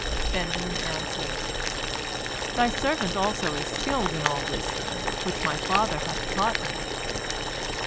Benjamin answered, "Thy servant also is skilled in all wisdom, which my father hath taught me."